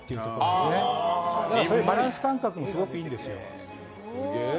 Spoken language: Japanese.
だからバランス感覚がすごくいいんですよ。